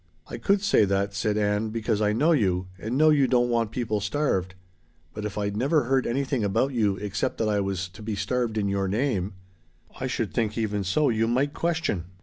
'" "I could say that," said Ann, "because I know you, and know you don't want people starved. But if I'd never heard anything about you except that I was to be starved in your name " "I should think even so you might question.